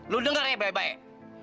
lu denger ya baik baik